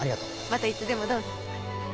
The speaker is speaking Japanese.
またいつでもどうぞ。